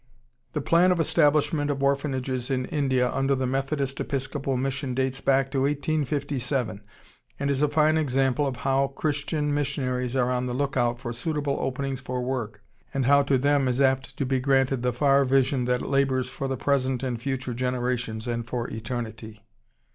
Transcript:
] The plan of establishment of orphanages in India under the Methodist Episcopal Mission dates back to 1857, and is a fine example of how Christian missionaries are on the lookout for suitable openings for work, and how to them is apt to be granted the far vision that labors for the present and future generations and for eternity.